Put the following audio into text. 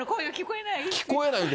聞こえないって。